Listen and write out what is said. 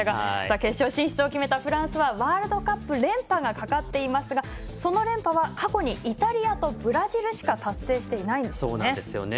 決勝進出を決めたフランスはワールドカップ連覇がかかっていますが、その連覇は過去にイタリアとブラジルしか達成していないんですね。